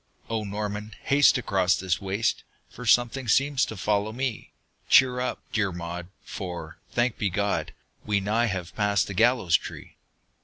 "O Norman, haste across this waste For something seems to follow me!" "Cheer up, dear Maud, for, thanked be God, We nigh have passed the gallows tree!"